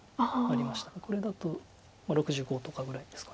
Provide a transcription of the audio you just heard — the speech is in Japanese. これだと６５とかぐらいですか。